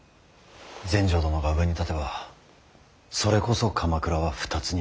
全成殿が上に立てばそれこそ鎌倉は２つに割れる。